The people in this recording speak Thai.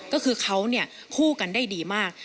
ก็คือเขาคู่กันได้ดีมาก